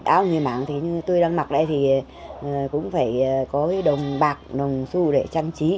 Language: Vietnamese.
áo người mảng thì như tôi đang mặc đây thì cũng phải có cái đồng bạc đồng su để trang trí